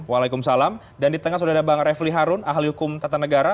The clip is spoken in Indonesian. waalaikumsalam dan di tengah sudah ada bang refli harun ahli hukum tata negara